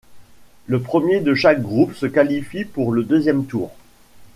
Le premier de chaque groupe se qualifie pour le deuxième tour.